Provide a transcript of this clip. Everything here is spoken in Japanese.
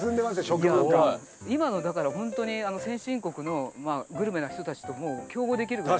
今のだから本当に先進国のグルメな人たちとも競合できるぐらい。